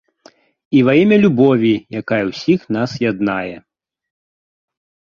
І ва імя любові, якая ўсіх нас яднае.